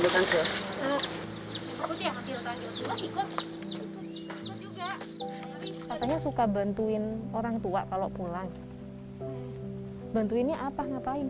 katanya suka bantuin orang tua apalagi pada waktu pulang